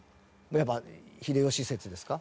やっぱ秀吉説ですか？